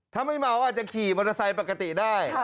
ถ้าไม่เมาอาจจะขี่มอเตอร์ไซค์ปกติได้